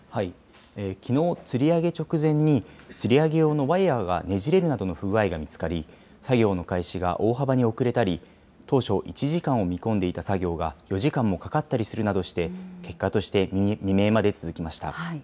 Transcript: きのう、つり上げ直前に、つり上げ用のワイヤーがねじれるなどの不具合が見つかり、作業の開始が大幅に遅れたり、当初、１時間を見込んでいた作業が４時間もかかったりするなどして、結果として未明まで続きました。